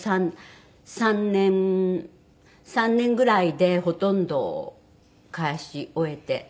３年３年ぐらいでほとんど返し終えて。